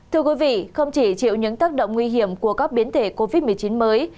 thưa quý vị không chỉ chịu những tác động nguy hiểm của các biến thể covid một mươi chín mới